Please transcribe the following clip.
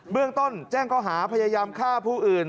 เรื่องต้นแจ้งเขาหาพยายามฆ่าผู้อื่น